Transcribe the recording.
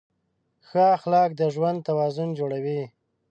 ښه اخلاق د ژوند توازن جوړوي.